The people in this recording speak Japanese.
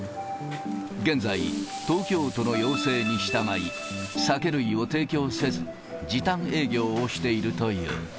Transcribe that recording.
現在、東京都の要請に従い、酒類を提供せず、時短営業をしているという。